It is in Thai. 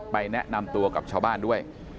แนะนำตัวกับชาวบ้านด้วย